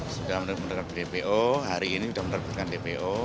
sudah menerbit dpo hari ini sudah menerbitkan dpo